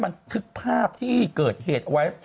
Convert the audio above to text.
มันถึงภาพที่เกิดเหตุไว้